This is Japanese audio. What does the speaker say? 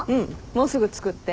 もうすぐ着くって。